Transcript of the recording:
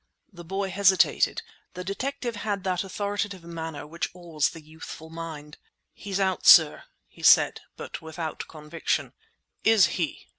The boy hesitated. The detective had that authoritative manner which awes the youthful mind. "He's out, sir," he said, but without conviction. "Is he?"